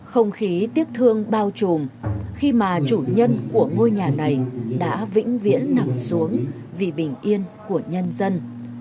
không khí tiếc thương bao trùm khi mà chủ nhân của ngôi nhà này đã vĩnh viễn nằm xuống vì bình yên của nhân dân